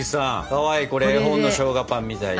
かわいいこれ絵本のしょうがパンみたいで。